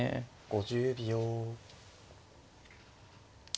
５０秒。